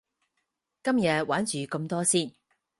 今日玩住咁多先